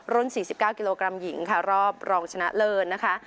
ลุ้นสี่สิบเก้ากิโลกรัมหญิงค่ะรอบรองชนะเลินนะคะ